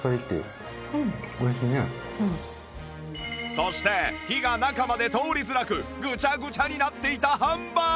そして火が中まで通りづらくグチャグチャになっていたハンバーグも